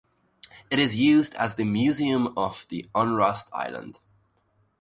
It is used as the Museum of the Onrust Island.